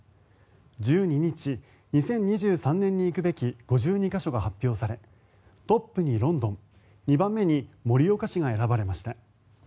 １２日２０２３年に行くべき５２か所が発表されトップにロンドン２番目に盛岡市が選ばれました。